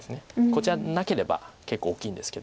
こちらなければ結構大きいんですけど。